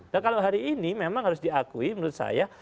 nah kalau hari ini memang harus diakui menurut saya